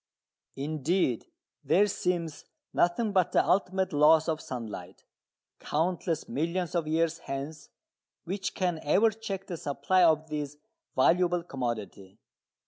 Indeed there seems nothing but the ultimate loss of sunlight, countless millions of years hence, which can ever check the supply of this valuable commodity.